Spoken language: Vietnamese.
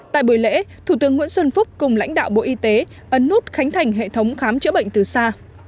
tại buổi lễ thủ tướng nguyễn xuân phúc cùng lãnh đạo bộ y tế ấn nút khánh thành hệ thống khám chữa bệnh từ xa